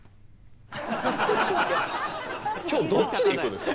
今日どっちで行くんですか？